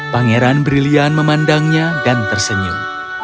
pangeran brilian memandangnya dan tersenyum